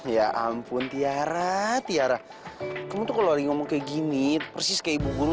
ya ampun tiara tiara ngomong kayak gini persis kayak ibu guru